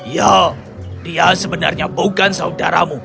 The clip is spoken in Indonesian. ya dia sebenarnya bukan saudaramu